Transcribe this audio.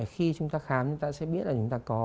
khi chúng ta khám chúng ta sẽ biết là chúng ta có